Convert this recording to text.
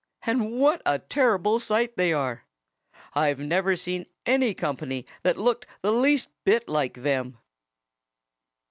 And what a terrible sight they are! I've never seen any company that looked the least bit like them."